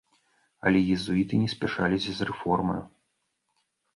Але езуіты не спяшаліся з рэформаю.